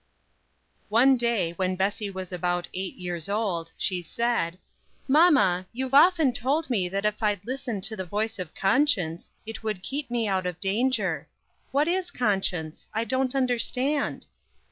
One day when Bessie was about eight years old, she said: "Mama, you've often told me that if I'd listen to the voice of conscience it would keep me out of danger. What is conscience? I don't understand."